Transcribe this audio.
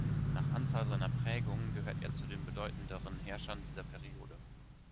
Nach Anzahl seiner Prägungen gehört er zu den bedeutenderen Herrschern dieser Periode.